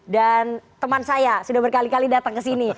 dan teman saya sudah berkali kali datang ke sini